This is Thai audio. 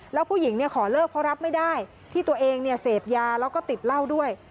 แล้วผู้หญิงขอเลิกเพราะรับไม่ได้ที่ตัวเองเสพยาแล้วก็ติดเหล้าด้วย